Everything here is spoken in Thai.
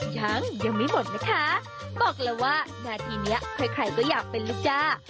ยังยังไม่หมดนะคะบอกเลยว่านาทีนี้ใครก็อยากเป็นลูกจ้า